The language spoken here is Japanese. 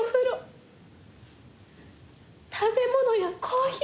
食べ物やコーヒー。